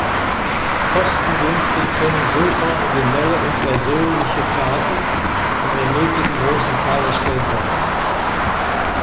Kostengünstig können so originelle und persönliche Karten in der nötigen großen Zahl erstellt werden.